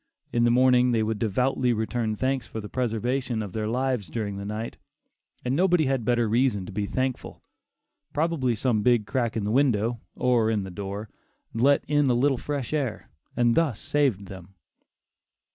In the morning they would devoutly return thanks for the "preservation of their lives," during the night, and nobody had better reason to be thankful. Probably some big crack in the window, or in the door, let in a little fresh air, and thus saved them.